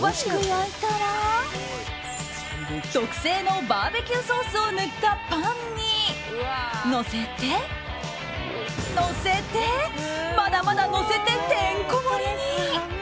焼いたら特製のバーベキューソースを塗ったパンにのせて、のせて、まだまだのせててんこ盛りに！